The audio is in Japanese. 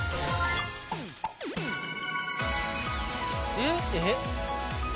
えっ？えっ？